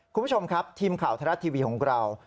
คุณผู้ชมครับทีมข่าวไทยรัฐทีวีของเรา